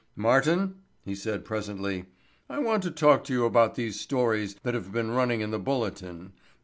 "Martin," he said presently. "I want to talk to you about these stories that have been running in the Bulletin.